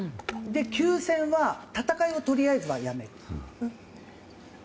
休戦は戦いをとりあえずはやめる。